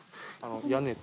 屋根と。